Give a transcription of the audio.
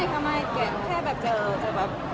เป็นเค้ามาแนะนำให้พ่อเรารู้จัก